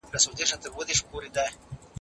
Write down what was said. که ښځو ته میراث ورکړو نو حق نه ضایع کیږي.